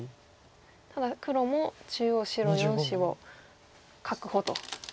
ただ黒も中央白４子を確保と。